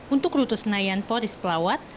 untuk rute senayan toris pelawat